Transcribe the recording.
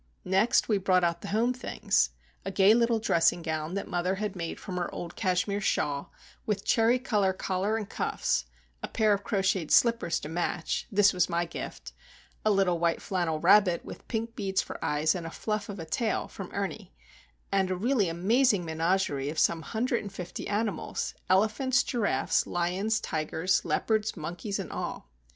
Next we brought out the home things;—a gay little dressing gown that mother had made from her old cashmere shawl with cherry colour collar and cuffs; a pair of crocheted slippers to match, this was my gift; a little white flannel rabbit, with pink beads for eyes and a fluff of a tail, from Ernie, and a really amazing menagerie, of some hundred and fifty animals, elephants, giraffes, lions, tigers, leopards, monkeys, and all.